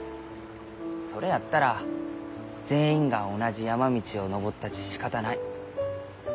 それやったら全員が同じ山道を登ったちしかたない。